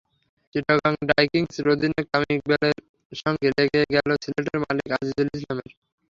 চিটাগং ভাইকিংসের অধিনায়ক তামিম ইকবালের সঙ্গে লেগে গেল সিলেটের মালিক আজিজুল ইসলামের।